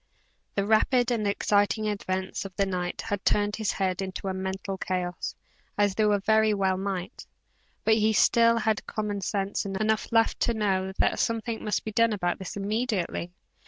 The rapid and exciting events of the night had turned his head into a mental chaos, as they very well might, but he still had commonsense enough left to know that something must be done about this immediately.